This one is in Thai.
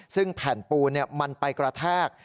ซึ่งแผ่นปูนมันไปกระแทก